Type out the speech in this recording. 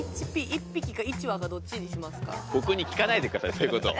ボクに聞かないでくださいそういうことを。